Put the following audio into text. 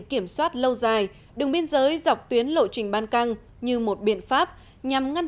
kiểm soát lâu dài đường biên giới dọc tuyến lộ trình ban căng như một biện pháp nhằm ngăn